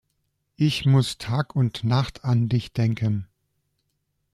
Ich muss Tag und Nacht an dich denken.